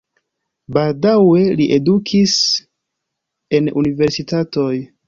Baldaŭe li edukis en universitatoj.